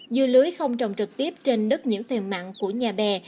dưa lưới không trồng trực tiếp trên đất nhiễm phèn mặn của nhà bè